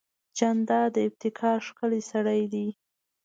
جانداد د ابتکار ښکلی سړی دی.